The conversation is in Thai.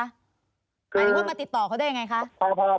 อาจารย์ว่ามาติดต่อเขาได้ยังไงคะ